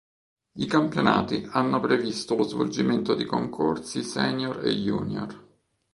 I campionati hanno previsto lo svolgimento di concorsi senior e junior.